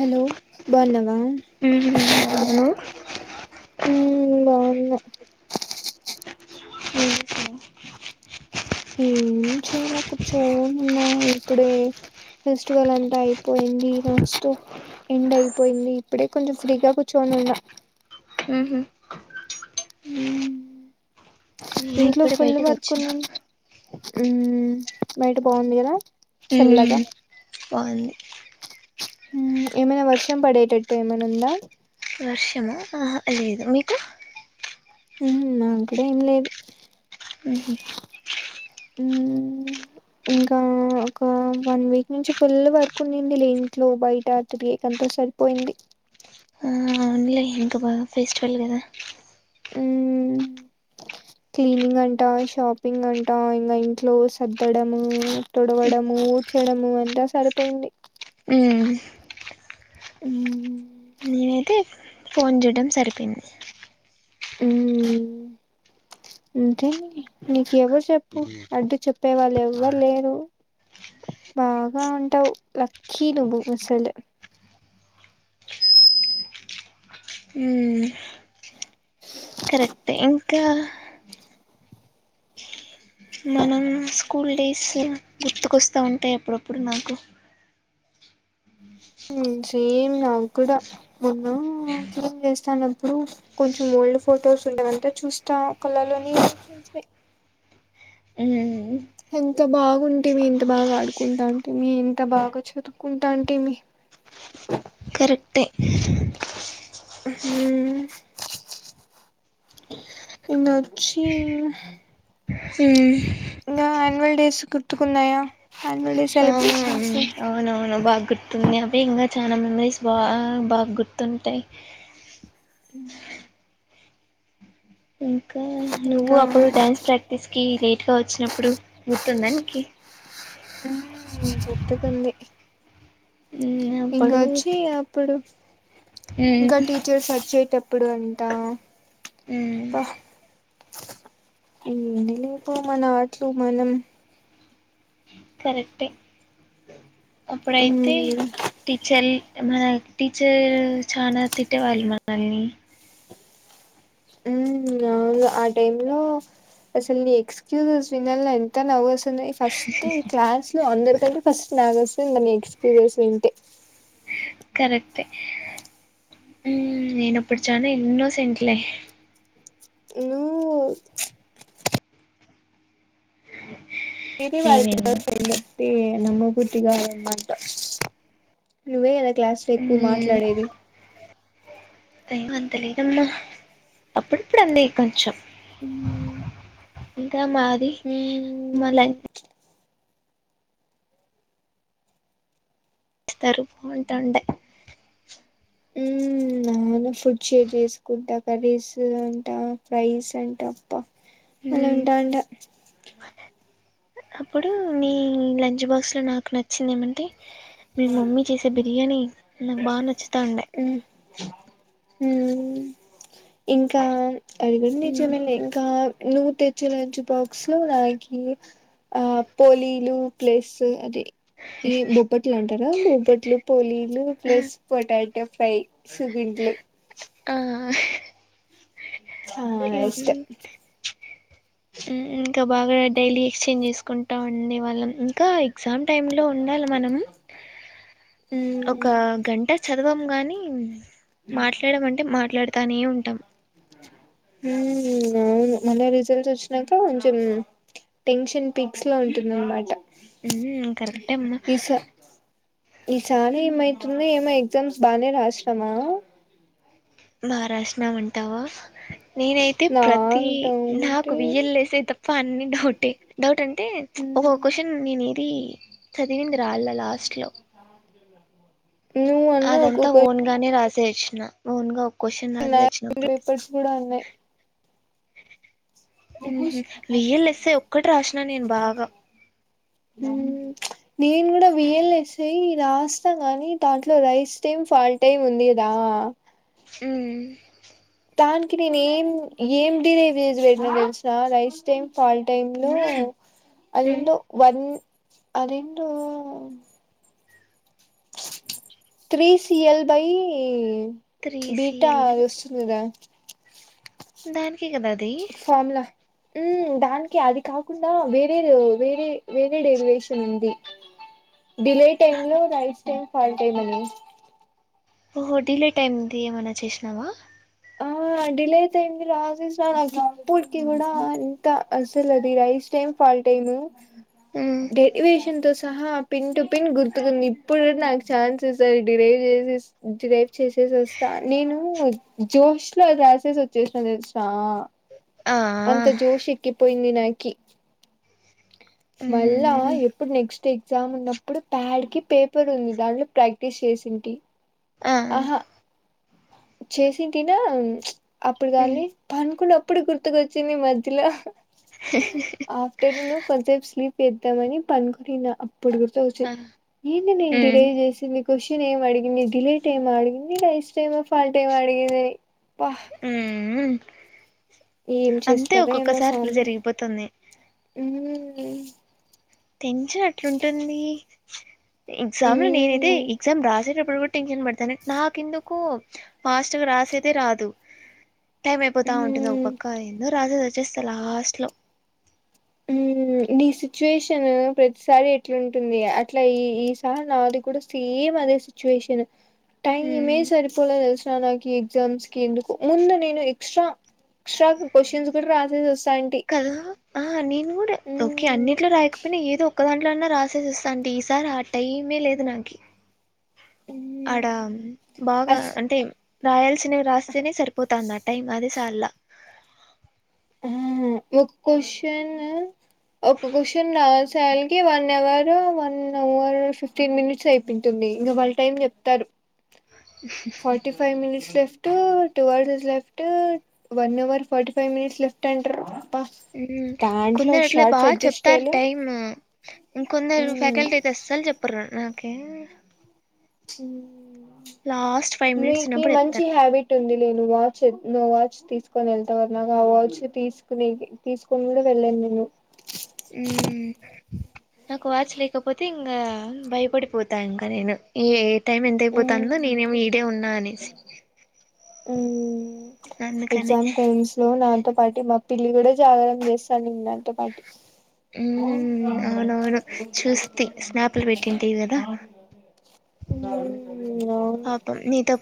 Hello బాగునావా ఉమ్ లో ఉమ్ బాగున్నా ఏం చేయాల కూర్చోనిన్నా ఇప్పుడే ఫెస్టివల్ అంతా అయిపోయింది నచ్చు ఎండ్ అయిపోయింది ఇప్పుడే కొంచెం ఫ్రీగా కూర్చోని ఉన్నా ఉహు హు నేను ఇంట్లో ఇప్పుడే ఫుల్ బయటకు వర్క్ వచ్చిన ఉంది ఉమ్ బయట బాగుంది కదా ఉ చల్లగా బాగుంది ఉమ్ ఏమైనా వర్షం పడేటట్టు ఏమైనా ఉందా వర్షము ఆహా లేద మీకు ఉమ్ నా కూడా ఏం లేదు ఉహు ఉమ్ ఇంకా ఒక వన్ వీక్ నుంచి ఫుల్ వర్క్ ఉందింది లే ఇంట్లో బయట అటు వేక్ అంతా సరిపోయింది అవును లే ఇంకా బాగా ఫెస్టివల్ కదా ఊ క్లీనింగ్ అంట షాపింగ్ అంట ఇంకా ఇంట్లో సర్ద్దడము తుడవడము ఊర్చడము అంతా సరిపోయింది ఉమ్ ఉమ్ నేనైతే ఫోన్ చేయటం సరిపోయింది హ అంతే నీకు ఎవరు చెప్పు అడ్డు చెప్పే వాళ్ళు ఎవ్వరు లేరు బాగా ఉంటావు లక్కీ నువ్వు అసలే ఉమ్ కరెక్ట్ ఏ ఇంకా మనం స్కూల్ డేస్ గుర్తుకోస్తా ఉంటాయి అప్పుడప్పుడు నాకు సేమ్ నాకు కూడా మొన్న ఫోన్ చేస్తానప్పుడు కొంచెం ఓల్డ్ ఫొటోస్ ఉన్నావంతా చూస్తా కళలోని ఉమ్ ఎంత బాగుంటివి ఎంత బాగా ఆడుకుంటా అంటివి ఎంత బాగా చదువుకుంటా అంటివి ట్ట [inaudible] హ మ్ నచ్చి ఉమ్ ఇంకా యాన్యువల్ డేస్ గుర్తుకున్నాయా యాన్యువల్ డే సెలబ్రేషన్స్ అవును బాగా గుర్తుంది అంటే ఇంకా చాలా మెమరీస్ బా బాగా గుర్తుంటాయి ఉమ్ ఇంకా నువ్వు ఇంకా అప్పుడు డ్యాన్స్ ప్రాక్టీస్ కి లేట్గా వచ్చినప్పుడు ర్తుందా నీకీ ఉమ్ గుర్తుకుంది మ్మ్ అప్పుడు ఇంకాచ్చి అప్పుడు ఇంక మ్మ్ టిచర్ సచ్చే టప్ ఇప్పుడు అంటా మ్మ్ పహ్ ఏటీలేపు మన ఆట్లు మనం కరెక్టే అప్పుడైతే మ్మ్ టీచల్ మన టీచర్ చానా తిట్టేవాళ్ళు మనల్ని ఉమ్ ఆ టైమ్ లో అసలు ని ఎక్స్క్యూజెస్ వినాల ఎంత నవ్వు దే ఫస్ట్ ఎ క్లాస్ లో అందరిక ఫస్ట్ నాది వస్తే ఇంగ నెక్స్ట్ నిది వస్తాది వింటె కరెక్టే ఉమ్ నేను అపుడు చానా ఇన్నోసెంట్ లే నువ్వు అ ఇది ఇవాల్టి [unintelligible] నమ్మబుద్ధి కావట్లే మాంటా నువే కదా క్లాస్ లో ఎక్కువ మ్మ్ మాట్లాడేది గంతలేదమ్మా అప్పుడప్పుడు అంది కొంచెం ఉమ్ ఇంకా మాది మల స్తారు బాంటండే ఉ నా ఫుడ్ షేర్ చేసుకుంటా కర్రీస్ అంటా ఫ్రైస్ అంటా అప్ప అలా మ్మ్ ఉంటంట అప్పుడు మీ లంచ్ బాక్స్ లో నాకు నచ్చింది ఏమంటే మీ మమ్మీ చేసే బిర్యానీ, నాకు బాగా నచ్చుతా ఉండే హ ఇంకా అడిగిండిజుమిలే ఇంకా నువ్వు తెచ్చే లంచ్ బాక్స్లో, నాకి ఆ పోలీలు ప్లేస్ అది. ఈ బొప్పట్ ఈ అంటారా బొబ్బట్లు పోలీలు ప్లస్ పోటాట్ బెటర్ ఫ్లై సుబింట్లు ఆ చాలా ఇన్ ఇష్టం ఇంకా బాగా డైలీ ఎక్స్చేంజ్ చేసుకుంటా ఉండేవాళ్ళం ఇంకా ఎగ్జామ్ టైమ్ లో ఉండాలి మనం మ్మ్ ఒక గంట చదు చదవం గానీ మాట్లాడమంటే మాట్లాడ్ తనే ఉంటాం. ఉమ్ అవును మళ్ళీ రిజల్ట్స్ వచ్చినాక కొంచెం టెన్షన్ పిక్స్ లో ఉంటుంద అనమాట ఉమ్ కరెక్టే అమ్మా ఈసారి ఏమైతుంది, ఏమో ఎగ్జామ్స్ బానే రాసినమా బారాసినామంటావా నేనైతే ప్రతి నాకు నాకు డౌటే వియ్యల్ వసే పన్ని డౌటే డౌట్ అంట్ అంటే ఒ ఓ క్వశ్చన్ నేన్టె తి చదివిన్ద్ రాలే లాస్ట్ లో నువ్వు అన్నావ్ అదంతా ఒక్కొక్క ఓన్గానే రాస్ చేసిన ఓన్గా తిన పేపర్స్ కూడా ఉన్నాయి ఉమ్ హూ వీ ల్ ఎస్ ఎ ఒక్కటి రాసినా నేను బాగా నేను కూడా వియల్ వసే రాస్తాను కాని దాంట్లో రైస్ టైమ్ ఫాల్ టైమ్ ఉందిరా ఉమ్ దానికి నేను ఏం ఏం [unintelligible] చేసి పెట్టిన తెలిసిన రైస్ టైం ఫాల్ టైంలో అదెందో వన్ అదేంటో త్రీసి L by three beta CL వస్తుంది రా దా ఓకే కదా అది ఉ దానికి అది కాకుండా వేరేది వేరే వేరే డెరివేషన్ ఉంది డిలే టైమ్ లో నైట్ టైమ్ ఫాల్ టైమ్ అని ఓహో డిలే టైమ్ది ఏమన్నా చేసినావా ఆ డిలే అయితే ఏందిరా రాసేస నాకు అప్పటికి కూడా అంత అసలు అది రైస్ టైమ్ ఫాల్ టైము ఉమ్, డెరివేషన్తో సహా పిన్ టు పిన్ గుర్తుకుంది ఇప్పుడు నాకు ఛాన్స్ ఇస్తే డిలైవ్ చేసి టుడే చేసేసి వస్తా నేను జోష్ లో రాసేసోచ్చేశిన తెలుసా ఆ అంత జోష్ ఎక్కిపోయింది నాకు క్కి మళ్ళా ఉమ్, ఎప్పుడు నెక్స్ట్ ఎగ్జామ్ ఉన్నప్పుడు ప్యాడ్ కి పేపర్ ఉంది దాంట్లో ప్రాక్టీస్ చేసింటి ఆ చేసి తిన అప్పుడు ఉమ్, కాని పన్కు ఇప్పుడు గుర్తుకొచ్చింది మధ్యలో ఆఫ్టర్నూన్ స్లిప్ చేద్దామని పనుకొనిన ఇప్పుడు గుర్త ఆ వచ్చింది ఏంటి నే డిలే ఉమ్, చేసింది క్వశ్చన్ ఏం అడిగింది డిలీట్ ఏమ అడిగింది రైస్ టైమా ఫాల్ట్ టైమా అడిగింది అబ్బా ఊఉ ఏం అంతే చేస్తారో ఒక్కొక్కసారి ఇట్లా జరిగిపోతుంది ఉ టెన్షన్ అట్లుంటుంది ఎగ్జామ్ లో నేనైతే మ్మ్ ఎగ్జామ్ రాసేటప్పుడు ఇప్పుడు కూడా టెన్షన్ పడతాను, నాకు ఎందుకు ఫాస్ట్గా రాసేదే రాదు. టైం అయిపోతా ఉంటుంది ఒక మ్మ్ పక్క ఏందో రాసేసి చేస్త లాస్ట్ లో నీ సిచ్యుయేషన్ ప్రతిసారి ఎట్లాంటుంది అట్లా ఈ ఈ సారి నాది కూడా సేమ్ అదే సిచ్యువేషన్ టైమే ఉమ్ సరిపోలే తెసనా కి ఎగ్జామ్స్ కి ఎందుకు ముందు నేను ఎక్సట్రా ఎక్సట్రా క్యూషన్స్ కూడా రాసేసి ఒచ్చిన కదా అహ నేను కూడా ఓకే అన్నిట్లో రాకపోయినా ఏదో ఒక్కదాంలో అన్నా రాసేసి వస్తా అంటి ఈసారి ఆ టైమే లేదు నాకి ఆడ బాగా అస్ అంటె రాయాల్సినవి వస్తేనే సరిపోతాంద టైం అదే సలా ఒక క్వశ్చను ఒక క్వశ్చన్ రాసల్కి one hour one hour fifteen minutes అయిపోంటుంది ఇంకా వాళ్ళ టైం చెప్తారు forty five minutes left two hours left one hour forty five minutes left అంటారు అబ్బా దాంట్లో కొందరు అట్లా షార్ట్స్ బాగా అడ్జస్ట్ చెప్తారు చేయలే టైమ్ ఇంకొందరు ఫ్యాకల్టీ అయితే వస్తలు చెప్ అప్పుర ఒకే ఫైవ్ మినిట్స్ మీకి ఉన్నప్పుడు మంచి చెప్తారు హ్యాబిట్ ఉంది నేను వాచ్ నో వాచ్ తీసుకొని వెళ్తావారు నాక ఆ వాచ్ తీసుకుని తీసుకుని కూడా వెళ్ళాను నేను హ్మ్మ్ నాకు వాచ్ లేకపోతే ఇంకా భయపడిపోతా ఇంకా నేను ఏ టైమ్ ఎంతయిపోతు తనలో మ్మ్ నేనేమి ఈడే ఉన్నా అనేసి మ్మ్ అందుకని ఎగ్జామ్ టైమ్స్ లో నా పాటి మా పిల్లి కూడ జాగరణ చేస్తా అనింది పాటి మ్మ్ అవునవును చూస్తి స్నాప్లు పెట్టింటివి కదా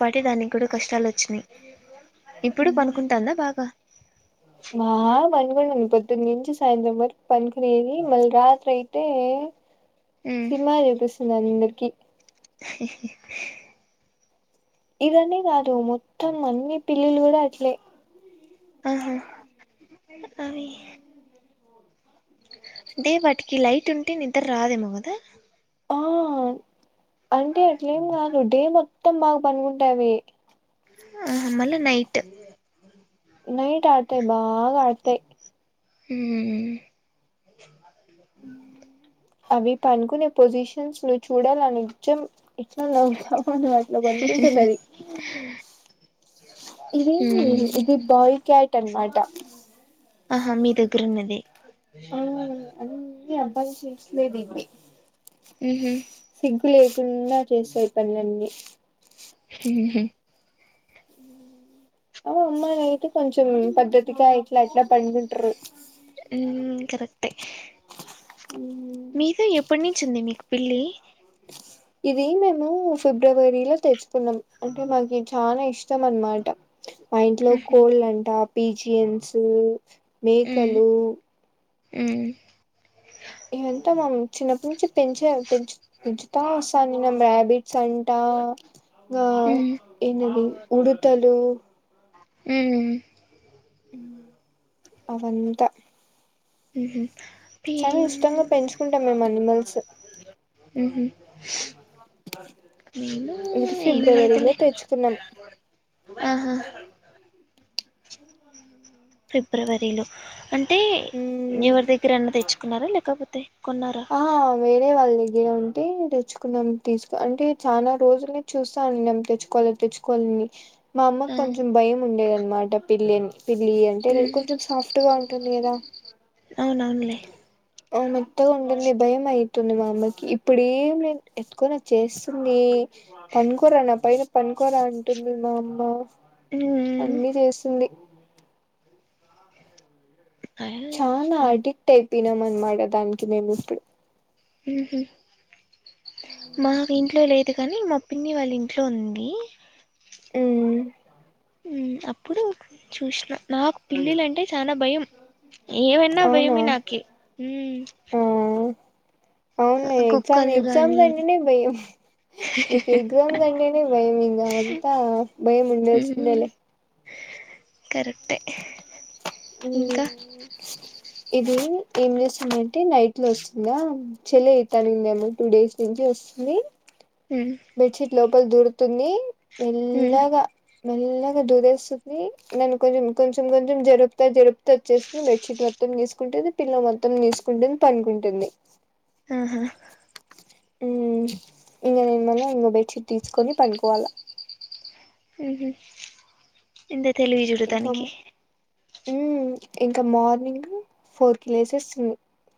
పాటి దానికి కూడా కష్టాలు వచ్చినాయి ఇప్పుడు పనుకుంటాందా బాగా మా [unintelligible] టి నుంచి సాయంత్రం వరకు పనికి పోయి మళ్ళీ రాత్రి అయితే మ్మ్ సినిమా చూపిస్తుంది ఆ అమ్మి కి ఇదన్న కాదు మొత్తం అన్ని పిల్లిలు కూడా అట్లే ఆహా అవి అంటె వాటికి లైట్ ఉంటె నిద్ర రాదేమో గదా ఆ అంటే అట్లా ఏం ఈ డే మొత్తం బాగా పనుకుంటాది ఆ మళ్ళ నైట్ నైట్ ఆడతాయి బాగా ఆడతాయి హ్మ్ అవి పనుకునే పొజిషన్స్ ను చూడాల నిజం ఎట్లా లావుతాము అని అట్లో పనుకుంటున్నది మ్మ్ అన్మాట ఆహా మీ దగ్గరున్నది అబ్బాయి చేయించలేదది ఉహుం సిగ్గు లేకుండా చేస్తాయి పనులన్నీ ఉహుం అ అమ్మా అయితే కొంచెం పద్ధతిగా ఇట్లా అట్లా పంకుంటారు కరక్టే మీతో ఎప్పటి నుంచి ఉంది మీకు పిల్లి ఇది మేము ఫిబ్రవరిలో తెచ్చుకున్నాం అంటే మాకు న చానా ఇష్టం అనమాట మా ఇంట్లో ఉమ్ కోల్డ్ అంట పిజిఎన్స్ మేకలు హు ఇవంతా మ చిన్నప్పటి నుంచి పెంచే పెంచు పెంచుతా వస్తాంది మీము రబిట్ సంట ఆ ఉమ్ ఏంది అది ఉడతలు ఉహ్మ్ హ అవంతా ఉహుం చాలా ఇష్టంగా పెంచుకుంటాం మేము అనిమల్స్ ఉహుం న ఇది ఏం లేదు ఫిబ్రవరిలో లే తెచ్చుకున్నాం ఆహా ఫిబ్రవరిలో అంటే మ్మ్ ఎవరి దగ్గర అన్నా తెచ్చుకున్నారా లేకపోతే కొన్నారా అంటేేను తెచ్చుకున్నాం తీసుకో అంటే చాలా రోజులని చూస్తాను తెచ్చుకోవాలి తెచ్చుకోవాలి అని మా అమ్మ ఆ కొంచెం భయం ఉండేదనమాట పిల్లిని పిల్లి అంటే ఉమ్ కొంచెం సాఫ్ట్ గా ఉంటుంది కదా అవునవునులే మెత్తగంటంది భయంమై యిత్తుది మా అమ్మకి ఇప్పుడేం లేదు ఎతుకొని అచ్చి ఏస్తుంది పనుకోరా నా పైన పనుకోరా అంటుంది మా అమ్మ ఉమ్ అన్నీ చేస్తుంది ఆ చానా అడిక్ట్ అయ్ తినమనమాట దానికి మేము ఇప్పుడు మ్ హు మాకు ఇంట్లో లేదు గాని మా పిన్ని వాళ్ళ ఇంట్లో ఉంది మ్ మ్ అప్పుడు చూసిన నాకు పిల్లిలంటే చానా భయం ఏమన్నా అవునా భయమే నాకి మ్మ్ ఆ అవునులే ఎగ్జామ్ ఎగ్జామ్స్ అంటేనే భయం నీకు ఎగ్జామ్స్ అంటేనే భయం ఇంకా అంతా భయం ఉమ్ ఉంల్సిందిలే కరెక్టే ఇంకా ఇది ఏం చేస్తుందంటే నైట్ లో వస్తుందా చెలి అయితానిందేమో టూ డేస్ నుంచి వస్తుంది ఉమ్ బెడషీట్ లోప్ ప్పల్ దూరుతుంది ఉమ్ మెల్లగా మెల్లగా దూరేస్తుంది నన్ను కొంచెం కొంచెం కొంచెం జరుపుతా జరుపుతా వచ్చేస్తుంది బెడ్ షీట్ మొత్తం తీసుకుంటది పిల్ల మొత్తం నేసుకుంటది పనుకుంటుంది ఆహా ఉ ఇంగ నేను మళ్ళ ఇంగో బెడ్షీట్ తీసుకొని పనుకోవాలా మ్ హు ఇందే తెలివి చూడు దానికి మ్మ్ ఇంకా మార్నింగ్ ఫోర్ కి లేసెసి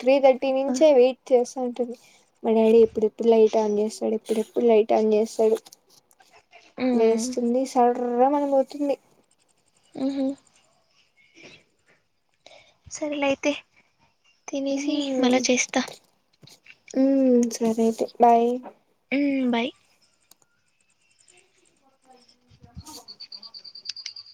త్రీ థర్టీ నుంచే వెయిట్ చేస్త్ అంటుంది మా డాడీ ఎప్పుడెప్పుడు లైట్ ఆన్ చేస్తాడు ఎప్పుడెప్పుడు లైట్ ఆన్ చేస్తాడు ఉమ్ లేస్తుంది సర్ టుర్రమన పోతుంది మ్ హు సరేలైతే తినేసి మళ్ల చేస్తా ఉ సరే ఐతె బాయ్ మ్ బాయ్